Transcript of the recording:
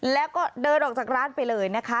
แล้วก็เดินออกจากร้านไปเลยนะคะ